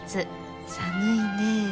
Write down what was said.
寒いねえ。